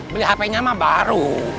beli hpnya mah baru